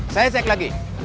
saya cek lagi